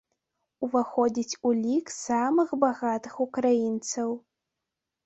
Уваходзіць у лік самых багатых украінцаў.